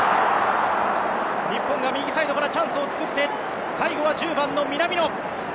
日本が右サイドからチャンスを作って最後は１０番の南野。